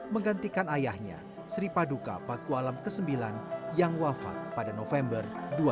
menggantikan ayahnya sri paduka pakualam ke sembilan yang wafat pada november dua ribu dua